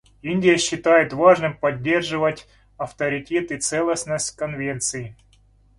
Индия считает важным поддерживать авторитет и целостность Конвенции.